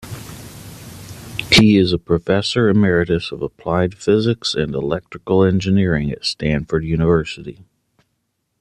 He is a professor emeritus of Applied Physics and Electrical Engineering at Stanford University.